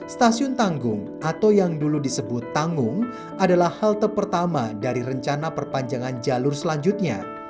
stasiun tanggung atau yang dulu disebut tanggung adalah halte pertama dari rencana perpanjangan jalur selanjutnya